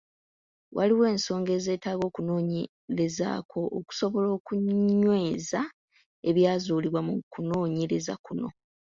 Waliwo ensonga ezeetaaga okunoonyerezaako okusobola okunyweza ebyazuulibwa mu kunoonyereza kuno.